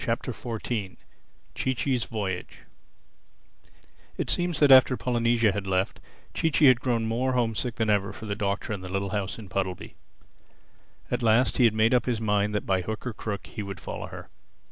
THE FOURTEENTH CHAPTER CHEE CHEE'S VOYAGE It seems that after Polynesia had left, Chee Chee had grown more homesick than ever for the Doctor and the little house in Puddleby. At last he had made up his mind that by hook or crook he would follow her.